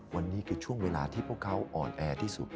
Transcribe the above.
วันนี้คือช่วงเวลาที่พวกเขาอ่อนแอที่สุด